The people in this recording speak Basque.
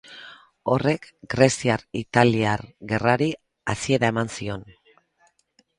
Horrek Greziar-italiar gerrari hasiera eman zion.